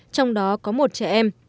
trong đó có một trẻ em